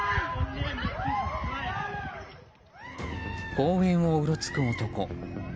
公園をうろつく男。